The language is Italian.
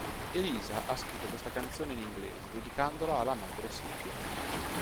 Elisa ha scritto questa canzone in inglese dedicandola alla madre Silvia.